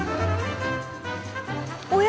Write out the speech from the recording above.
おや？